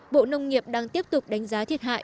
bộ nông nghiệp đang tiếp tục đánh giá thiệt hại